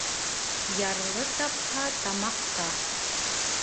Ярлы тапһа тамаҡҡа.